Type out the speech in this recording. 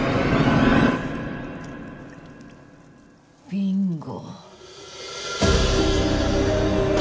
ビンゴ。